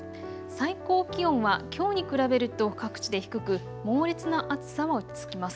最高気温はきょうに比べると各地で低く猛烈な暑さも続きます。